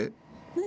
何？